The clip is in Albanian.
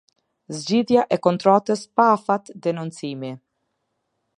Zgjidhja e kontratës pa afat denoncimi.